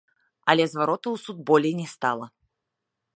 Але зваротаў у суд болей не стала.